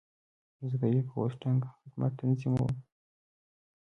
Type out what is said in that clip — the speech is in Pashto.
زه د ویب هوسټنګ خدمت تنظیموم.